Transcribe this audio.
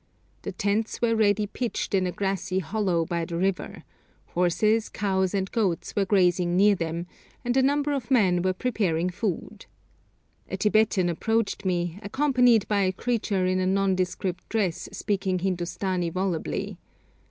The tents were ready pitched in a grassy hollow by the river; horses, cows, and goats were grazing near them, and a number of men were preparing food. A Tibetan approached me, accompanied by a creature in a nondescript dress speaking Hindustani volubly.